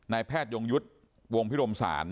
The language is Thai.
แพทยงยุทธ์วงพิรมศาล